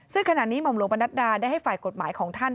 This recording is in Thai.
ซึ่งขณะนี้หม่อมหลวงประนัดดาได้ให้ฝ่ายกฎหมายของท่าน